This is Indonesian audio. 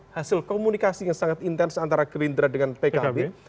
hasil komunikasi yang sangat intens antara gerindra dengan pkb